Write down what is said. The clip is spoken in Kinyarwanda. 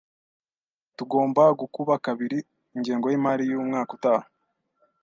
Tugomba gukuba kabiri ingengo yimari yumwaka utaha